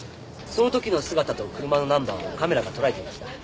その時の姿と車のナンバーをカメラがとらえていました。